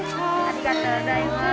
ありがとうございます。